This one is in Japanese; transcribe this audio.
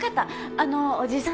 あのおじさん。